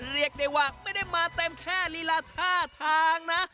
เรียกได้ว่าไม่ได้มาเต็มแค่ลีลาท่าทางนะ